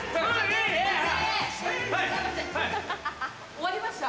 終わりました？